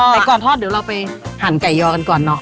แต่ก่อนทอดเดี๋ยวเราไปหั่นไก่ยอกันก่อนเนอะ